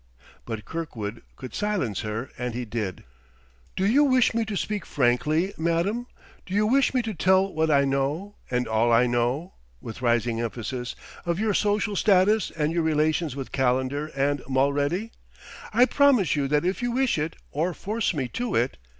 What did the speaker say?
But Kirkwood could silence her; and he did. "Do you wish me to speak frankly, Madam? Do you wish me to tell what I know and all I know ," with rising emphasis, "of your social status and your relations with Calendar and Mulready? I promise you that if you wish it, or force me to it...."